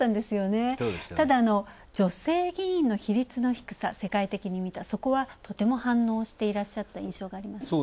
女性議員の比率の低さ、世界的にみたそこはとても反応していらしゃった印象があります。